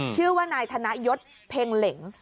ชื่อว่านายธนยศเพ็งเหล็ง